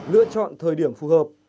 lựa chọn thời điểm phù hợp